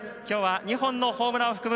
２本のホームランを含む